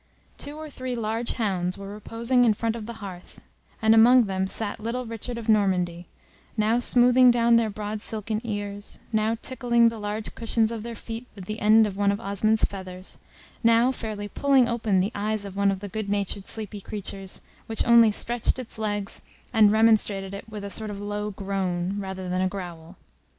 Two or three large hounds were reposing in front of the hearth, and among them sat little Richard of Normandy, now smoothing down their broad silken ears; now tickling the large cushions of their feet with the end of one of Osmond's feathers; now fairly pulling open the eyes of one of the good natured sleepy creatures, which only stretched its legs, and remonstrated with a sort of low groan, rather than a growl.